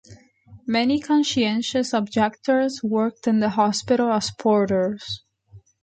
Many conscientious objectors worked in the hospital as porters.